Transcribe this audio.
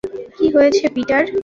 কী হয়েছে, পিটার?